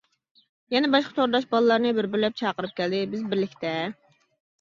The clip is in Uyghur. يەنە باشقا تورداش باللارنى بىر-بىرلەپ چاقىرىپ كەلدى بىز بىرلىكتە.